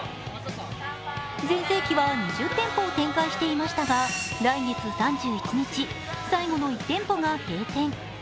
全盛期は２０店舗を展開していましたが、来月３１日、最後の１店舗が閉店。